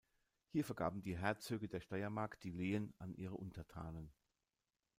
Hier vergaben die Herzöge der Steiermark die Lehen an ihre Untertanen.